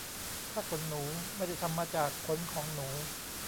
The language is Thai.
ผ้าขนหนู ไม่ได้ทำมาจากขนของหนู